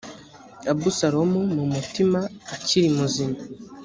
abusalomu mu mutima akiri muzima